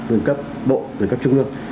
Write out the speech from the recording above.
từ cấp bộ từ cấp trung ương